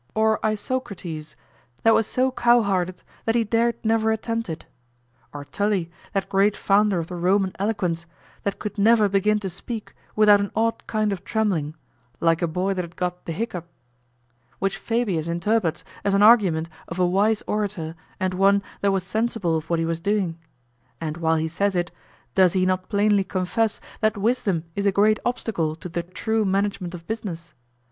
Or Isocrates, that was so cowhearted that he dared never attempt it? Or Tully, that great founder of the Roman eloquence, that could never begin to speak without an odd kind of trembling, like a boy that had got the hiccough; which Fabius interprets as an argument of a wise orator and one that was sensible of what he was doing; and while he says it, does he not plainly confess that wisdom is a great obstacle to the true management of business?